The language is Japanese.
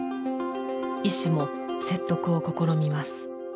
医師も説得を試みます。